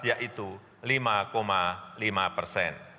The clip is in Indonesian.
yaitu lima lima persen